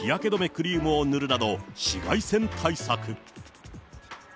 クリームを塗るなど、紫外線対策。